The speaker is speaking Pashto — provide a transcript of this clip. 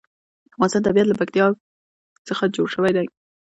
د افغانستان طبیعت له پکتیا څخه جوړ شوی دی.